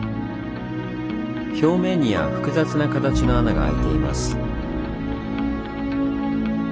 表面には複雑な形の穴があいています。